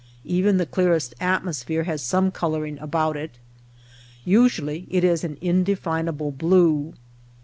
Even the clearest atmosphere has some coloring about it. Usually it is an inde finable blue.